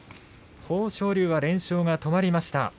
豊昇龍は連勝が止まりました。